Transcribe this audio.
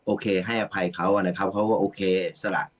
โอเคให้อภัยเขานะครับเขาก็โอเคสละ